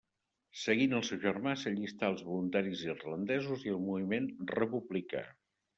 Seguint el seu germà, s'allistà als Voluntaris Irlandesos i al moviment republicà.